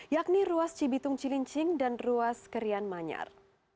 yakni ruas cibitung cilincing dan ruas kerian manyar